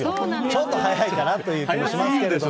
ちょっと早いかなという気もしますけれども。